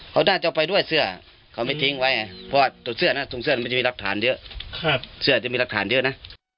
เพราะว่าตัวเสื้อนะตัวเสื้อมันจะมีรักฐานเยอะครับเสื้อจะมีรักฐานเยอะนะ